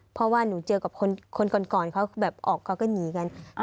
เพราะว่าหนูเจอกับคนก่อนเขาแบบออกเขาก็หนีกัน